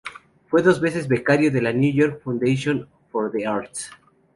Fue dos veces becario de la New York Foundation for the Arts.